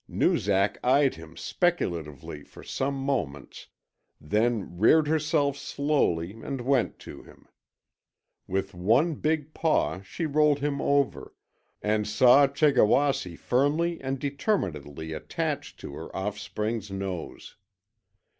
Noozak eyed him speculatively for some moments, then reared herself slowly and went to him. With one big paw she rolled him over and saw Chegawasse firmly and determinedly attached to her offspring's nose.